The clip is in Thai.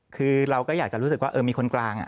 คือเราก็อยากจะรู้สึกว่ามีคนกลาง